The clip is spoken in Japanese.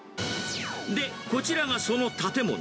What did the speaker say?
で、こちらがその建物。